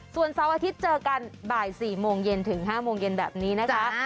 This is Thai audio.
ส่วนเสาร์อาทิตย์เจอกันบ่าย๔โมงเย็นถึง๕โมงเย็นแบบนี้นะคะ